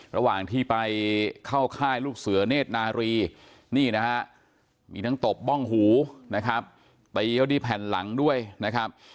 ระหว่างที่ไปเข้าค่ายลูกเสือเนธนารีมีทั้งตบป้องหูแต่ย้อนดี้แผ่นหลังด้วยนะครับ